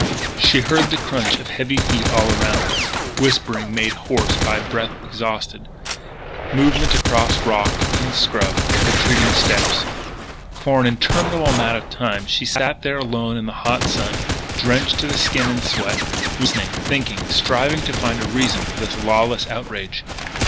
She heard the crunching of heavy feet all around her, whispering made hoarse by breath exhausted, movement across rock and scrub, retreating steps. For an interminable time she sat there alone in the hot sun, drenched to the skin in sweat, listening, thinking, striving to find a reason for this lawless outrage.